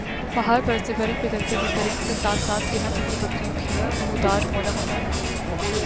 پہاڑ پر سے برف پگھلتے ہی پرند کا ساتھ ساتھ یَہاں جنگلی بکری بھی نمودار ہونا ہونا